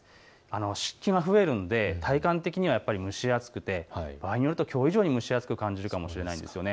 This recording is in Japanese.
湿気が増えるので体感的には蒸し暑くて場合によると、きょうよりも蒸し暑く感じるかもしれません。